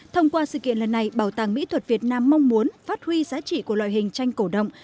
thông qua sự kiện lần này bảo tàng mỹ thuật việt nam mong muốn phát huy giá trị của loại hình tranh cổ động